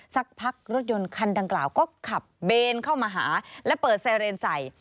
สักพักรถยนต์คันดังกล่าวก็ขับเบนเข้ามาหาและเปิดไซเรนใส่